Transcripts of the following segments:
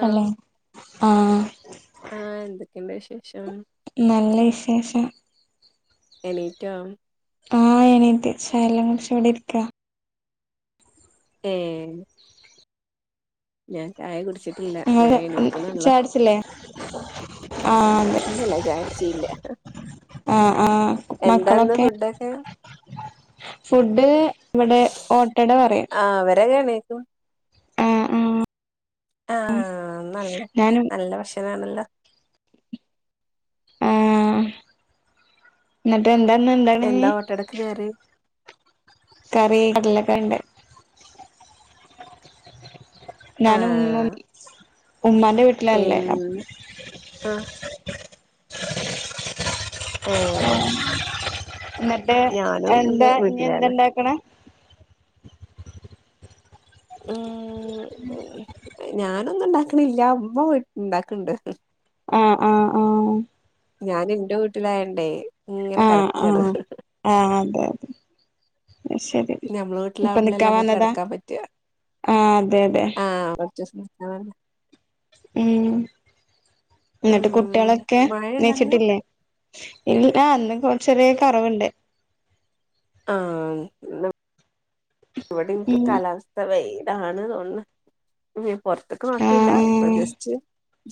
Hello ആ ആഹ് എന്തൊക്കെണ്ട് വിശേഷം നല്ല വിശേഷം എണീറ്റോ ആ, എണീറ്റ് ചായയെല്ലാം കുടിച്ച് ഇവിടെ ഇരിക്ക ഏ എ ഞാൻ ചായ കുടിച്ചിട്ടില്ല, ഞാൻ നിങ്ങള് എണീക്കുന്നുള്ളോ [unintelligible] ആഹ് അതെ ഇല്ലില്ല, ചായ കുട്ചില്ല, ആഹ് ആഹ് എന്താന്ന് മക്കളൊക്കെ ഫുഡൊക്കെ ഫുഡ് ഇവിടെ ഓട്ടട പറയും ആ അവരക്കെ എണീക്കും മം. ആഹ, നല്ല ഞാനും നല്ല ഭക്ഷണം ആണല്ലോ? ആ, ന്നട്ട് എന്താണ് ഇന്ന് ഉണ്ടാക്കണത് ഞ് [unintelligible] കറി കടലക്കറി ഉണ്ട ഞനും, ഉമ്മും, ഉമ്മാന്റെ വീട്ട എം, ആ മം എന്നട്ട് എന്താ, ഇനി എന്ത വീട്ടിലാണ് ഉണ്ടാക്കണെ മം, ഞാനൊന്നും ഉണ്ടാക്കണില്ല മ്മ വീട്ടി ഇണ്ടാക്കണ്ട് ആഹ് ആഹ് ആഹ് ഞൻ ഇന്റെ വീട്ടിലായണ്ടേ ഇങ്ങനെ കെടക്കാണ്. ആഹ അതെ അതെ ന്ന ശെരി ഞമ്മളെ വീട്ടിൽ ആകുമ്പളല്ലെ നമ്മക്ക് കട്ക്കാൻ പറ്റുവ, ആഹ് അതെ അതെ ആ ഉം ഉം ന്നിട്ട് ആഹ് കുട്ടികളൊക്കെ മഴയുണ്ടന്ന് ണീച്ചിട്ടില്ലേ ഇല്ല ഇന്നും ചെറിയ കൊറവുണ്ട് ആ ഇവിടെ ഇൻക്കും ഉം കാലാവസ്ഥ ഇ വെയിലാണ് തോന്നുണ് പുറത്തക്ക നോക്കിയില്ല ആഹ് ഇടെ ജസ്റ്റ്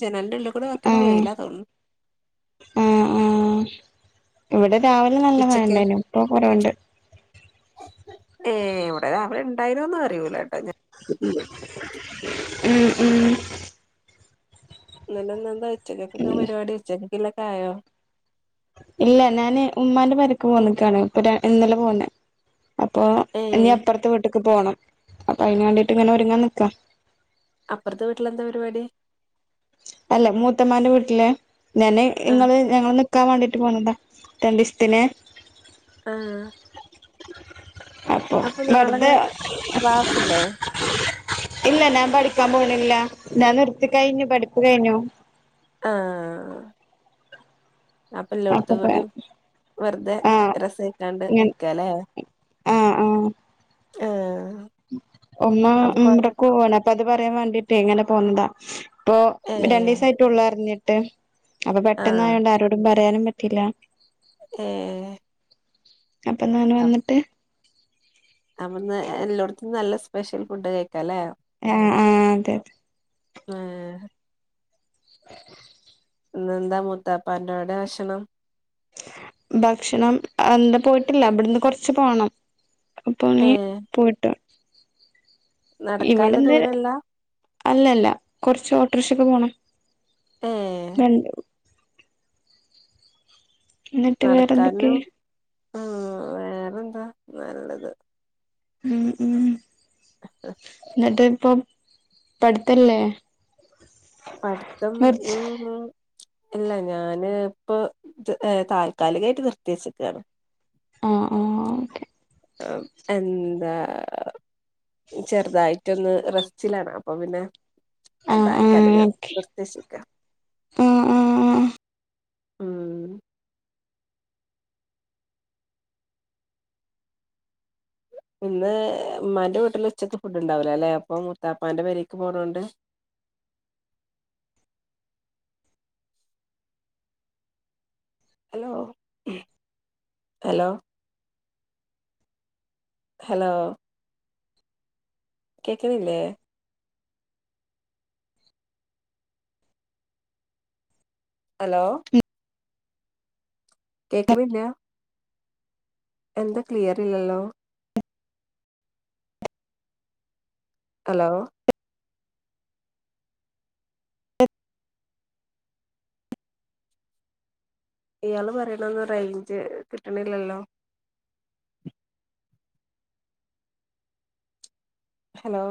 ജനലന്റെ ഉള്ളിൽകൂടെ ആഹ് നോക്കുമ്പോ ആഹ് വെയില തോന്നുന്നു ആഹ് ആഹ് ഇവിടെ രാവിലെ നല്ല മഴണ്ടായിനു ഇപ്പൊ കൊറവുണ്ട് ഏ ഇവിടെ രാവിലെ ഉണ്ടായിരുന്നുന്ന് അറിയൂല കേട്ടോ ഞാൻ ഉം ഉം ന്നട്ടെന്നന്താ ഉച്ചക്കൊക്കെ ഉം പരിപാടി ഉച്ചക്കക്കിലൊക്കെ ആയോ ഇല്ല ഞാന് ഉമ്മാന്റെ പരക്ക് പോന്നകാണ് ഇപ്പ ര ഇന്നലെ പോന്നെ അപ്പൊ ഇഞ് ഏഹ് അപ്പറത്തെ വീട്ടേക്ക് പോണം അപ്പൊ അതിന് വേണ്ടീട്ട് ഇങ്ങനെ ഒരുങ്ങാൻ നിക്കാം അപ്പറത്തെ വീട്ടിലെന്താ പരിപാടി അല്ല മൂത്തമാന്റെ വീട്ടില് ഞാന് ആഹ് ഇങ്ങള് ഞങ്ങള് നിക്കാൻ വേണ്ടീട്ട് പോണതാ രണ്ടിസത്തിന് ആ അപ്പൊ നാളക ക്ലാസ്സ്ല്ലേ ഇല്ല ഞാൻ പഠിക്കാൻ പോണില്ല ഞാൻ നിർത്തി കഴിഞ്ഞു പഠിപ്പു കഴിഞ്ഞു ആ അപ്പള്ളോടത്ത അപ്പൊ പ കൂടി വെറുതെ ആഹ് രസമായിക്കാണ്ട് ഞാൻ നിക്കല്ലേ ആഹ് ആഹ് ആഹ് ഉമ്മ അപ്പൊ കൊറെ ഉംറക്ക് പോവാണ് അപ്പ അത് പറയാൻ വേണ്ടിട്ടേ ഇങ്ങനെ പോകുന്നതാ ഇപ്പൊ ഏഹ് രണ്ടീസയിട്ടള്ള അറിഞ്ഞിട്ട് അപ്പൊ പെട്ടെന്ന് ആഹ് ആയോണ്ട് ആരോടും പറയാനും പറ്റ തില്ലാ ഏ അപ്പൊ എന്നാണ് വന്നിട്ട് അപ്പോന്ന് എല്ലോഡ്ത്തും നല്ല സ്പെഷ്യൽ ഫുഡ് കഴിക്കല്ലേ ആഹ് ആഹ് അതെ അതെ ആഹ് [inaudible] ഇന്നേന്താ മൂത്താപ്പാന്റെടെ ഭക്ഷണം ഭക്ഷണം എന്താ പോയിട്ടില്ല ഇവിടുന്ന് കൊറച്ച് പോണം അപ്പൊ നീ ഏഹ് പോയിട്ടു നടക്കാല്ല ഇവിടെന്ന് ദൂരല്ല അല്ലല്ല കൊറച്ച് ഓട്ടോറിക്ഷക്കെ പോണം ഏഹ് ന [unintelligible] എന്നിട്ട് വേറെന്തൊക്കെ നടക്കാനും ആ വേറെന്താ നല്ലത് ഉം ഉം [inaudible] എന്നിട്ട് ഇപ്പൊ പഠിത്തല്ലേ പഠിത്തം നിർത്തി ഉം ഉം ഇല്ല ഞാന് ഇപ്പൊ താൽക്കാലികായിട്ട് നിർത്തിവച്ചിക്കയാണ് ആ ആ ഓക്കെ ഉം എന്താ ചെറുതായിട്ടൊന്ന് റസ്റ്റിലാണ് അപ്പൊ പിന്നെ ആഹ് താൽക്കാലികം ഓക്കെ നിർത്തി വെച്ചേക്ക ആഹ് ആഹ് ആഹ് ഉം ഇന്ന് ഉമ്മാന്റെ വീട്ടില് ഉച്ചക്ക് ഫുഡ് ഉണ്ടാവല അല്ലേ അപ്പൊ മുത്താപ്പന്റെ പേരെക്ക് പോകണൊണ്ട് ഹലോ ഹലോ ഹലോ കേക്കണിലേ ഹലോ കേക്കണില്ലാ എന്താ ക്ലിയർ ഇല്ലല്ലോ. ഹലോ ഇയാള് പറയണൊന്നും റേഞ്ച് കിട്ടണില്ലല്ലോ. ഹലോ